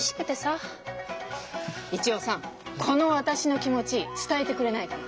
一葉さんこの私の気持ち伝えてくれないかな。